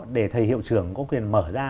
để thầy hiệu trưởng có quyền mở ra